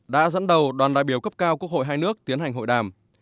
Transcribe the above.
đã dẫn đầu đoàn đại biểu cấp cao quốc hội hai nước tiến hành hội đàm